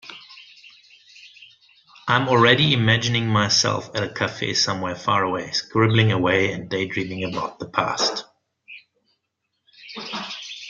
I am already imagining myself at a cafe somewhere far away, scribbling away and daydreaming about the past.